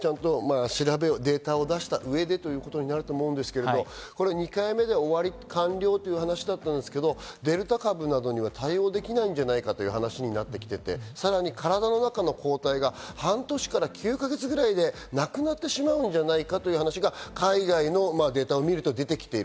データを出した上でということになると思うんですけど、２回目で完了という話だったんですけど、デルタ株などに対応できないんじゃないかという話になってきていて、さらに体の中の抗体が半年から９か月ぐらいで、なくなってしまうのではないかという話が海外のデータを見ると出てきている。